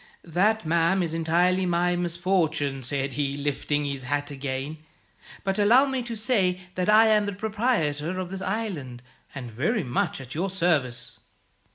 'That, ma'am, is entirely my misfortune,' said he, lifting his hat again; 'but allow me to say that I am the proprietor of this island, and very much at your service.'